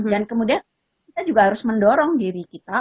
dan kemudian kita juga harus mendorong diri kita